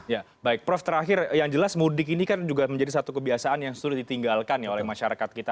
ya baik prof terakhir yang jelas mudik ini kan juga menjadi satu kebiasaan yang sulit ditinggalkan ya oleh masyarakat kita